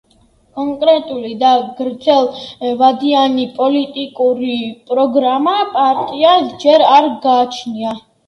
კონკრეტული და გრძელვადიანი პოლიტიკური პროგრამა პარტიას ჯერ არ გააჩნია.